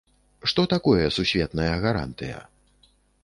Што такое сусветная гарантыя?